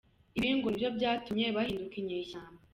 Ibi ngo ni byo byatumye bahinduka inyeshyamba”.